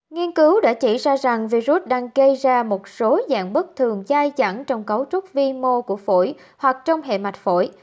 nghiên cứu đã chỉ ra rằng virus đang gây ra một số dạng bất thường dai chẳng trong cấu trúc vi mô của phổi hoặc trong hệ mạch phổi